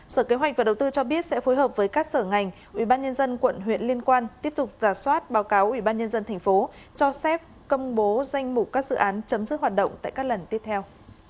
sở kế hoạch và đầu tư cho biết sẽ phối hợp với các sở ngành ubnd quận huyện liên quan tiếp tục giả soát báo cáo ubnd tp cho phép công bố danh mục các dự án chấm dứt hoạt động tại các lần tiếp theo